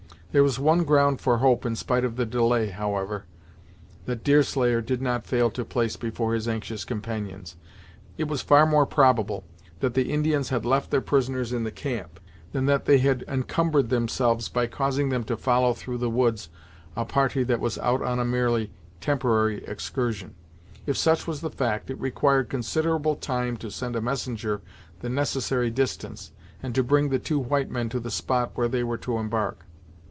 There was one ground for hope in spite of the delay, however, that Deerslayer did not fail to place before his anxious companions. It was far more probable that the Indians had left their prisoners in the camp, than that they had encumbered themselves by causing them to follow through the woods a party that was out on a merely temporary excursion. If such was the fact, it required considerable time to send a messenger the necessary distance, and to bring the two white men to the spot where they were to embark.